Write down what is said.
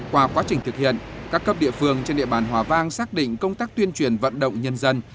qua quá trình thực hiện các cấp địa phương trên địa bàn hòa vang xác định công tác tuyên truyền vận động nhân dân